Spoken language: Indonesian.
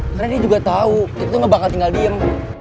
karena dia juga tau itu tuh gak bakal tinggal diem